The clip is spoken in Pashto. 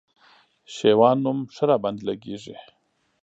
شېوان نوم ښه راباندي لګېږي